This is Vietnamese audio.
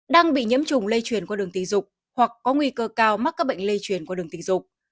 đang bị nhiễm trùng lây truyền qua đường tình dục hoặc có nguy cơ cao mắc các bệnh lây truyền qua đường tình dục